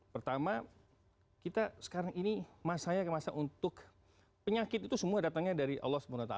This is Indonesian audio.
pertama kita sekarang ini masanya untuk penyakit itu semua datangnya dari allah swt pak